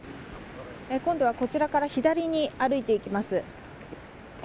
今度は、こちらから左に歩いていきます。